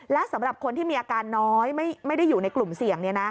และสำหรับคนที่มีอาการน้อยไม่ได้อยู่ในกลุ่มเสี่ยง